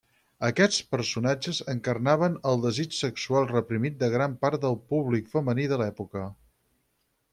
Aquests personatges encarnaven el desig sexual reprimit de gran part del públic femení de l’època.